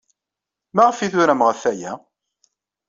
Maɣef ay turam ɣef waya?